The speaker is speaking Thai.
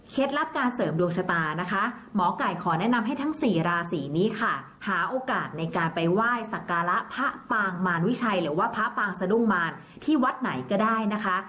ลับการเสริมดวงชะตานะคะหมอไก่ขอแนะนำให้ทั้งสี่ราศีนี้ค่ะหาโอกาสในการไปไหว้สักการะพระปางมารวิชัยหรือว่าพระปางสะดุ้งมารที่วัดไหนก็ได้นะคะ